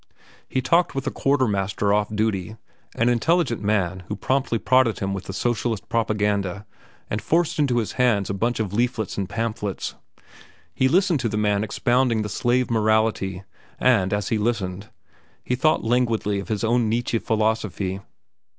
He talked with a quartermaster off duty, an intelligent man who promptly prodded him with the socialist propaganda and forced into his hands a bunch of leaflets and pamphlets. He listened to the man expounding the slave morality, and as he listened, he thought languidly of his own Nietzsche philosophy.